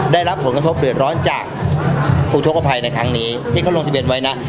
ได้รับผลกระทบเดือดร้อนจากอุทธกภัยในครั้งนี้ที่เขาลงทะเบียนไว้นะ